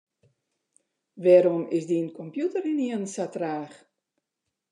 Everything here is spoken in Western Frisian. Wêrom is dyn kompjûter ynienen sa traach?